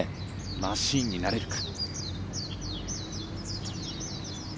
マシーンになれるか。